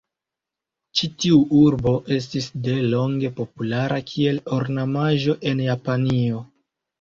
Ĉi tiu arbo estis delonge populara kiel ornamaĵo en Japanio.